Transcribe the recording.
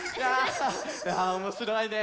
あおもしろいね。